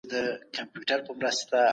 اسلام خلګو ته د سولي لوی پيغام راوړی دی.